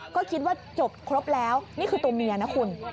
ก็คิดว่าจบครบแล้วนี่คือตัวเมียนะคุณ